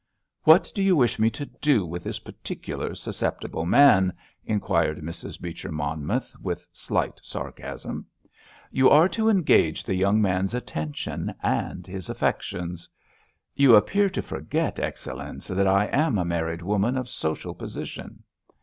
"What do you wish me to do with this particular susceptible man?" inquired Mrs. Beecher Monmouth, with slight sarcasm. "You are to engage the young man's attention, and his affections." "You appear to forget, Excellenz, that I am a married woman of social position!"